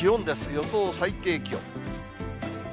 予想最低気温。